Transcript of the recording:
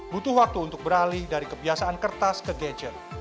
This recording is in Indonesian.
butuh waktu untuk beralih dari kebiasaan kertas ke gadget